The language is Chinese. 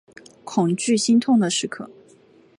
恐惧心痛的时刻